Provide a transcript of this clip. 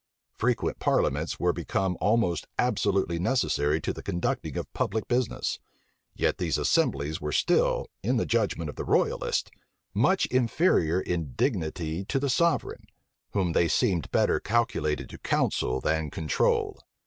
Frequent parliaments were become almost absolutely necessary to the conducting of public business; yet these assemblies were still, in the judgment of the royalists, much inferior in dignity to the sovereign, whom they seemed better calculated to counsel than control.